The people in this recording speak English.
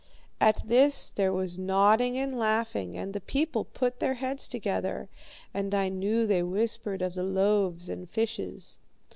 "At this there was nodding and laughing, and the people put their heads together, and I knew they whispered of the loaves and fishes.